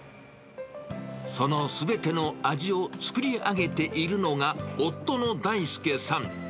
そのすべての味を作り上げているのが、夫の大輔さん。